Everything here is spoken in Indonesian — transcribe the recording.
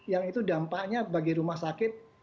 yang itu dampaknya bagi rumah sakit